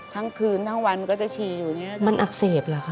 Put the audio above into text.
ทั้งคืนทั้งวันก็จะเชียงอยู่อย่างนี้